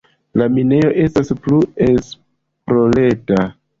La minejo estas plu esplorata.